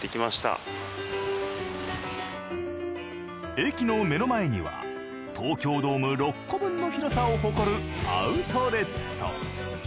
駅の目の前には東京ドーム６個分の広さを誇るアウトレット。